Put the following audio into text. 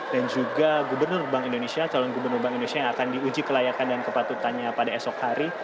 dan juga gubernur bank indonesia calon gubernur bank indonesia yang akan diuji kelayakan dan kepatutannya pada esok hari